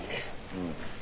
うん。